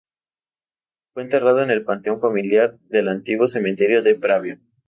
Fue enterrado en el panteón familiar del antiguo cementerio de Pravia.